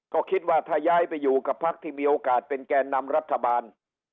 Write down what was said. ก็คิดว่าถ้าย้ายไปอยู่กับพักที่มีโอกาสเป็นแก่นำรัฐบาล